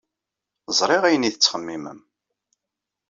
Ẓriɣ ayen ay tettxemmimem.